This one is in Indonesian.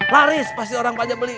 laris pasti orang banyak beli